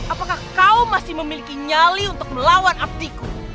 apakah kau masih memiliki nyali untuk melawan abdiku